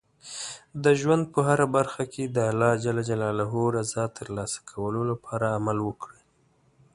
د ژوند په هره برخه کې د الله رضا ترلاسه کولو لپاره عمل وکړئ.